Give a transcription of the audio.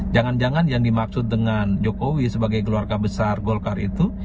jangan jangan yang dimaksud dengan jokowi sebagai keluarga besar golkar itu